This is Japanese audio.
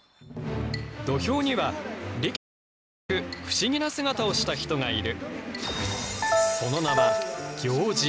土俵には力士と同じく不思議な姿をした人がいる。